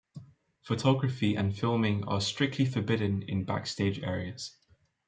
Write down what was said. Photography and filming are strictly forbidden in backstage areas.